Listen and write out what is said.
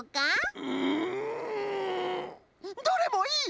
んんどれもいい！